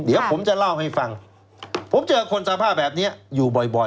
เดี๋ยวผมจะเล่าให้ฟังผมเจอคนสภาพแบบนี้อยู่บ่อยบ่อย